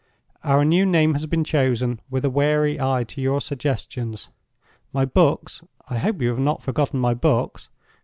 "Our new name has been chosen with a wary eye to your suggestions. My books—I hope you have not forgotten my Books?